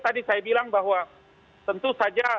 tadi saya bilang bahwa tentu saja